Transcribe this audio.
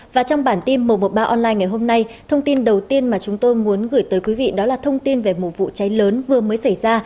và trong bản tin một trăm một mươi ba online ngày hôm nay thông tin đầu tiên mà chúng tôi muốn gửi tới quý vị đó là thông tin về một vụ cháy lớn vừa mới xảy ra